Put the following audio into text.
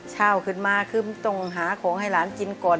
เช้าขึ้นมาคือต้องหาของให้หลานกินก่อน